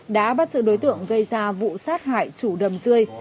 đã bắt giữ đối tượng gây ra vụ sát hại chủ đầm rơi